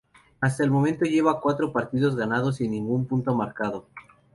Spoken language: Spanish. Hasta el momento lleva cuatro partidos jugados y ningún punto marcado.